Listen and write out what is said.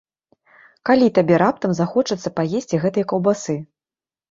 Калі табе раптам захочацца паесці гэтай каўбасы?